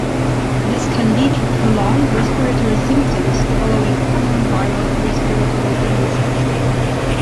This can lead to prolonged respiratory symptoms following common viral respiratory illnesses.